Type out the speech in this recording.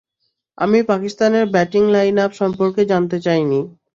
আমি পাকিস্তানের batting lineup সম্পর্কে জানতে চাই নি।